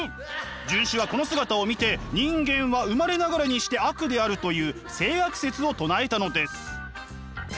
荀子はこの姿を見て人間は生まれながらにして悪であるという性悪説を唱えたのです。